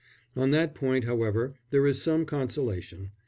On that point, however, there is some consolation.